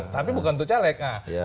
tapi bukan untuk caleg